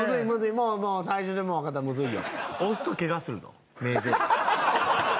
もう最初でわかったむずいよ